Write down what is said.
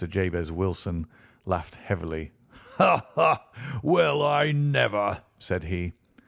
Jabez Wilson laughed heavily. "Well, I never!" said he.